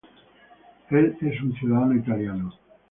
Él es un ciudadano italiano.